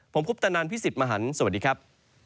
ผมคุปตะนันพี่สิทธิ์มหันฯสวัสดีครับ